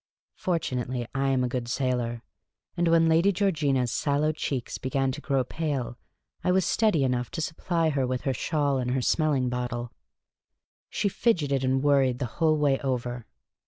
Fortunately I am a good sailor, and when Lady Georgina's sallow cheeks began to grow pale, I was steady enough to supply her with her shawl and her smelling bottle. She fidgeted and worried the whole way over.